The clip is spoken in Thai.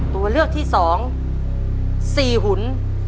ตัวเลือกที่๒๔หุ่น